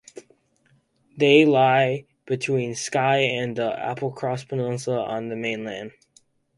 They lie between Skye and the Applecross peninsula on the mainland.